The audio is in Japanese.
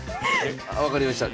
分かりました。